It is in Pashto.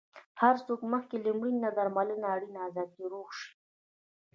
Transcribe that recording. له هر څه مخکې لمرینه درملنه اړینه ده، چې روغ شې.